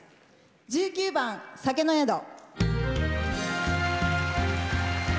１９番「酒のやど」。